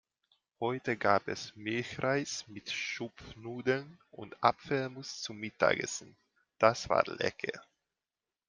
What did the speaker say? Heute gab es Milchreis mit Schupfnudeln und Apfelmus zum Mittagessen. Das war lecker.